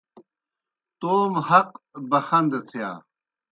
توموْ حق بَخَندَہ تِھیا۔